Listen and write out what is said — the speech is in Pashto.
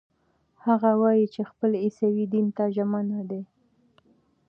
هغه وايي چې خپل عیسوي دین ته ژمن دی.